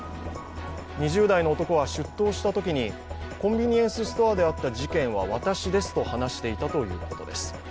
２０代の男は出頭したときにコンビニエンスストアであった事件は私ですと話していたということです。